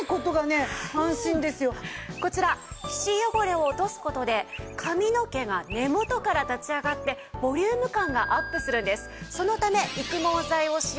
こちら皮脂汚れを落とす事で髪の毛が根元から立ち上がってボリューム感がアップするんです。